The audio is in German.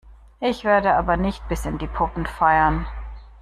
Ich werde aber nicht bis in die Puppen feiern.